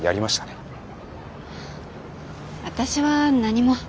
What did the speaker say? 私は何も。